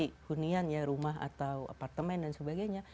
jadi hunian ya rumah atau apartemen